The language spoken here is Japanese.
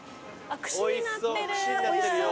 おいしそう串になってるよ。